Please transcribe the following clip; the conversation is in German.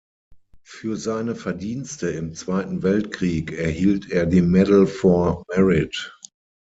Für seine Verdienste im Zweiten Weltkrieg erhielt er die Medal for Merit.